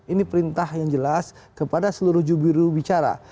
ini perintah yang jelas kepada seluruh jubiru bicara